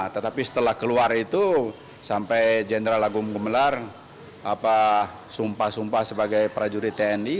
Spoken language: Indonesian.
tetapi setelah keluar itu sampai jenderal agung gemelar sumpah sumpah sebagai prajurit tni